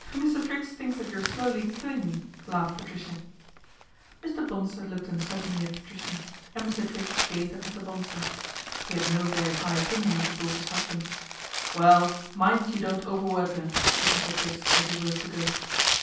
Mr. Triggs thinks that you are slowly killing e," laughed Patricia. Mr. Bonsor looked uncertainly at Patricia, and Ir. Triggs gazed at Mr. Bonsor. He had no ery high opinion of his daughter's husband. Well, mind you don't overwork 'er," said Mr. riggs as he rose to go.